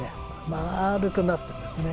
まるくなってですね